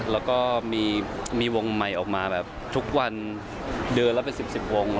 แล้วก็มีวงใหม่ออกมาแบบทุกวันเดือนละเป็น๑๐วง